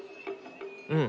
うん。